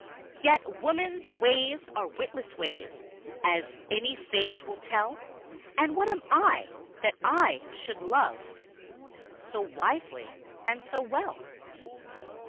Yet women's ways are witless ways, As any sage will tell, And what am I, that I should love So wisely and so well?